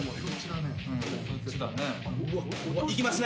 いきますね。